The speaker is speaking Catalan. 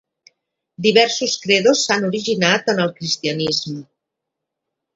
Diversos credos s'han originat en el cristianisme.